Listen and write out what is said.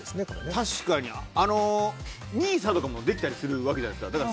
確かに、ＮＩＳＡとかもできたりするじゃないですか。